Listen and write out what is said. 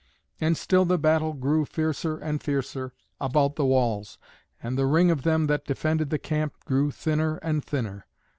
And still the battle grew fiercer and fiercer about the walls, and the ring of them that defended the camp grew thinner and thinner.